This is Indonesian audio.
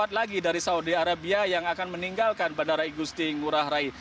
empat lagi dari saudi arabia yang akan meninggalkan bandara igusti ngurah rai